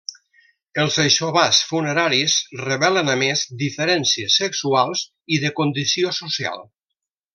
Els aixovars funeraris revelen a més diferències sexuals i de condició social.